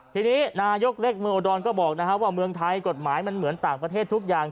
ทีนี้นายกเล็กเมืองอุดรก็บอกว่าเมืองไทยกฎหมายมันเหมือนต่างประเทศทุกอย่าง